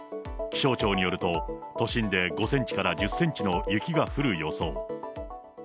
気象庁によると、都心で５センチから１０センチの雪が降る予想。